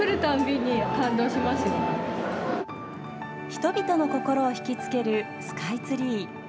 人々の心を引きつけるスカイツリー。